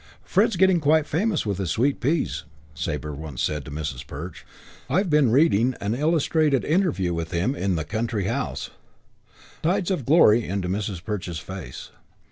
"Fred's getting quite famous with his sweet peas," Sabre once said to Mrs. Perch. "I've been reading an illustrated interview with him in The Country House." Tides of glory into Mrs. Perch's face.